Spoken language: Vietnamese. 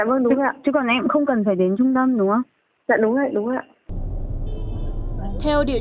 ví dụ như đăng phí ý